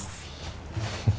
bener beb nggak usah ya